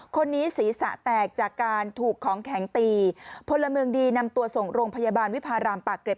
คนนี้ศีรษะแตกจากการถูกของแข็งตีพลเมืองดีนำตัวส่งโรงพยาบาลวิพารามปากเกร็ด